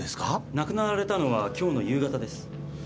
亡くなられたのはきょうの夕方です。